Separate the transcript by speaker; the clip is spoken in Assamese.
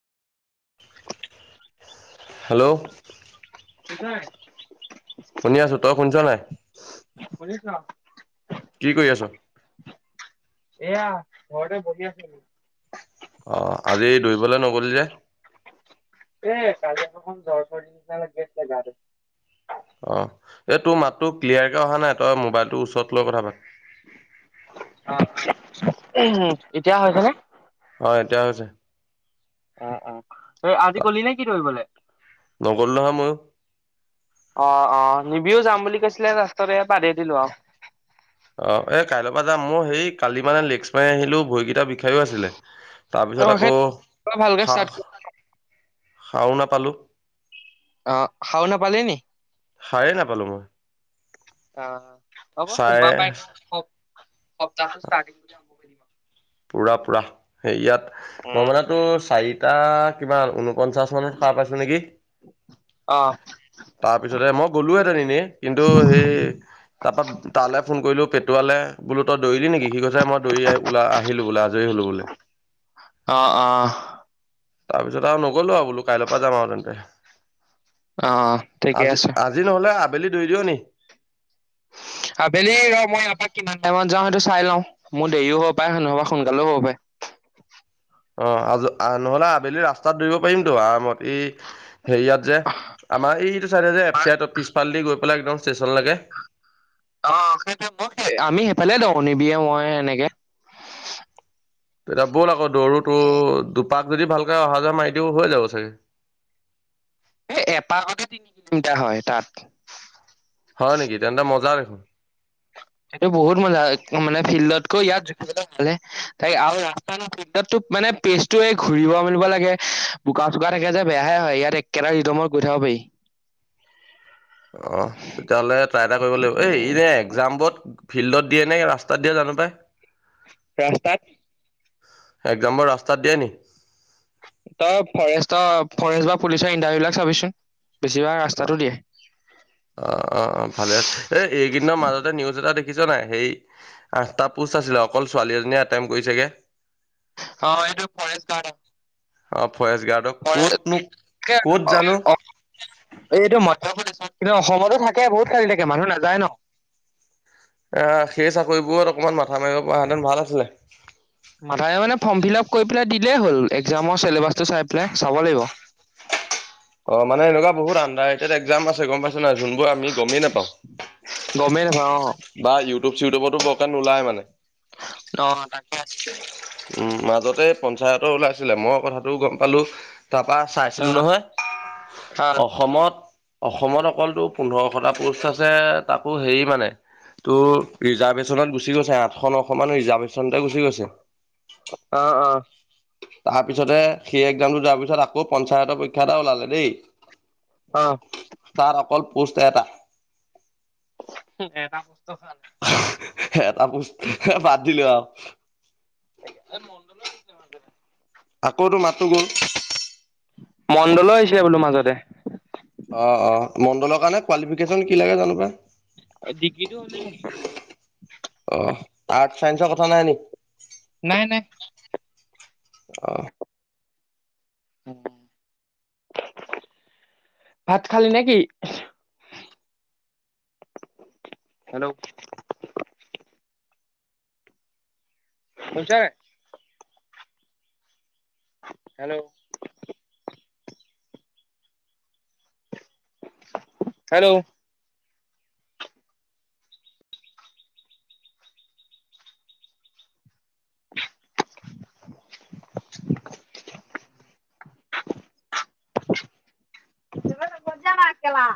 Speaker 1: হেল্ল',
Speaker 2: [unintelligible]
Speaker 1: শুনি আছো তই শুনিছ নাই?
Speaker 2: [unintelligible]
Speaker 1: কি কৰি আছ
Speaker 2: এয়া ঘৰতে বহি আছিলো
Speaker 1: আহ আজি দৈৰিবলৈ নগিল যে
Speaker 2: এই কালিৰ‌ পৰা অকনমান জ্বৰ জ্বৰ নিচিনা লাগিল আছে গাটো
Speaker 1: অ এই তোৰ মাতটো ক্লিয়াৰকে অহা নাই তই মোবাইলটোৰ ওচৰত লৈ কথা পাত হয় [unintelligible]
Speaker 2: অ এতিয়া হৈছে নে
Speaker 1: হয় এতিয়া হৈছে
Speaker 2: আহ অ আজি গলি নে কি দৰিবলৈ?
Speaker 1: নগ'লো নহয় ময়ো
Speaker 2: অ অ নিবিও যাম বুলি কৈছিলে ৰাস্তৰে বাদে দিলো আৰু
Speaker 1: অ এ কাইলৈৰ পৰা যাম মোৰ সেই কালি মানে লেচ্চ মাৰি আহিলো ভৰিকেইটা বিষ খেল আছিলে
Speaker 2: অ
Speaker 1: তাৰপিছত
Speaker 2: সেই
Speaker 1: আকৌ
Speaker 2: ভালকে ষ্টাৰ্ট কৰি
Speaker 1: হাঁহ খাওঁ নাপালো
Speaker 2: অ হাও নাপালি নেকি
Speaker 1: হাৰেই নাপালো মই
Speaker 2: অ হ'ব
Speaker 1: চাৰে
Speaker 2: সোমবাৰ পাই সপ্তাহটো ষ্টাৰটিং [unintelligible]
Speaker 1: পুৰা পুৰা ইয়াত মই
Speaker 2: উম
Speaker 1: মান তোৰ চাৰিটা কিবা ঊনপঞ্চাশ মানত হাৰ পাইছো নেকি
Speaker 2: আহ্
Speaker 1: তাৰ পিছতে মই গলো হেতেন এনে কিন্তু সেই তাৰপা তালৈ ফোন কৰিলো পেটুৱা তাল বো ত দৌৰি দি নে সি কৈছে মই দৌৰি ল আহিলো বোলে আজৰি হলোঁ বোলে।
Speaker 2: অ অ
Speaker 1: তাৰপিছত আৰু নগলো আৰু বোলো কাইলৈৰ পৰা যাম আৰু তেন্তে
Speaker 2: অ ঠিকে
Speaker 1: আজি
Speaker 2: আছে
Speaker 1: আজি নহ'লে আবেলি দৰি দিয় নেকি
Speaker 2: আবেলি ৰ মই আপাক কিমান টাইমত যাওঁ টো চাই লও মোৰ দেৰিও হ'ব পাৰে নহবা সোনকালেও হ'ব পাৰে
Speaker 1: অ আ নহলে আবেলি ৰাস্তাত দৌৰিব পাৰিমতো আৰামত এই হেৰিয়াত ইয়াত যে আমাৰ এইটো চাইডে যে এফ চি পিছফালে দি গৈ পেলাই একদম ষ্টেচনলৈকে
Speaker 2: অ সেই মই আমি সেইফালে দেওঁ নিবিয়ে মই সেনেকে
Speaker 1: তেতিয়া হ'ল আক
Speaker 2: হম
Speaker 1: পাক যদি ভালকে অহা যোৱা মাৰি দিও হৈ যাব চাগে
Speaker 2: এই এপাহতে তিনি কিলোমিটাৰ হয় তাত
Speaker 1: হয় নেকি তেন্তে মজা দেখোন।
Speaker 2: সেইটো বহুত মজা মানে ফিল্ডতকৈ ইয়াত জোখ ভালে ত আৰু ৰাস্তা ফিল্ডতো মানে পেজ টো এই ঘূৰিব মেলিব লাগে বোকা চোকা থাকে যে বেয়াহে হয় ইয়াত একেটাাৰে ৰিদমৰ কৈ থাক পাৰি [inaudible]
Speaker 1: অ তেতিয়াহ'লে ট্ৰাই এটা কৰিব লাগিব এই
Speaker 2: উম
Speaker 1: এনে এক্জাম বত ফিল্ডত দিয়ে নে ৰাস্তাত দিয়ে জানো পাই
Speaker 2: [unintelligible]
Speaker 1: একজাম বোৰ ৰাস্তাত দিয়ে নি
Speaker 2: তই ফৰেষ্টৰ ফৰেষ্ট বা পুলিচৰ ইণ্টাৰভিউ বিলাক চাবিচোন। বেছিভাগ
Speaker 1: অ
Speaker 2: ৰাস্তাটো দিয়ে
Speaker 1: অ অ অ ভালে আছে এই এইকেইদিনৰ মাজতে নিউজ এটাত দেখিছ নাই সেই আঠটা পোষ্ট আছিলে অকল ছোৱালী এজনীয়ে এটেমট কৰিছেগে
Speaker 2: অ এইটো ফৰেষ্ট গাৰ্ড
Speaker 1: অ ফৰেষ্ট গাৰ্ডক
Speaker 2: ম
Speaker 1: ক'তনো ক'ত জানো
Speaker 2: এইটো মই [unintelligible] কিন্তু অসমতো থাকে বহুত খালী থাকে মানুহ নাযায় ন
Speaker 1: আহ সেই চাকৰিবোৰত অকমান মাথা মাৰিব পৰা হেঁতেন ভাল আছিলে
Speaker 2: মাথাই মানে ফৰ্ম ফিল আপ কৰি পেলাই দিলেই হল একজামৰ চিলেবাচটো চাই পেলাই চাব লাগিব
Speaker 1: [inaudible] অ, মানে এনেকুৱা বহুত আণ্ডাৰেটেড এক্সাম আছে গম পাইছ নাই, যোনবোৰ আমি গমেই নাপাওঁ।
Speaker 2: গমেই নাপাওঁ অ
Speaker 1: বা ইউটিউব চিটিউবতো বৰক নোলাই মানে।
Speaker 2: অ তাকে
Speaker 1: উম মাজতে পঞ্চায়তৰ ওলাইছিলে। মই কথাটো গম পালোঁ তাৰপা
Speaker 2: অ
Speaker 1: চাইছিলো নহয়। অসমত অসমত অকল তোৰ পোন্ধৰশটা পোষ্ট আছে, তাকো হেৰি মানে। ত' ৰিজাৰ্ভেশ্যনত গুচি গৈছে। আঠশ নশ মান ৰিজাৰ্ভেশ্যন তে গুচি গৈছে।
Speaker 2: অ অ অ
Speaker 1: তাৰপিছতে সেই এক্জামটো যোৱাৰ পিছত আকৌ পঞ্চায়তৰ পৰীক্ষা এটা ওলালে দেই,
Speaker 2: অ
Speaker 1: তাৰ অকল পোষ্ট এটা।
Speaker 2: এটা প'ষ্টৰ কাৰণে
Speaker 1: হে হে, এটা প'ষ্ট, এ বাদ দিলো আৰু।
Speaker 2: তাকে। এ মণ্ডলৰো এক্জাম আছে।
Speaker 1: আকৌ তোৰ মাতটো গ'ল।
Speaker 2: মণ্ডলৰো আহিছে বোলোঁ মাজতে।
Speaker 1: অ অ। মণ্ডলৰ কাৰণে কোৱালিফিকেশ্যন কি লাগে জানো পাই? আহ। আৰ্ট চাইন্সৰ কথা নাই নি?
Speaker 2: নাই নাই
Speaker 1: অ।
Speaker 2: উম। ভাত খালি নেকি? হেল্ল'! শুনিছ নাই? হেল্ল'। হেল্ল'!
Speaker 1: [inaudible]
Speaker 2: [unintelligible] না কেলা।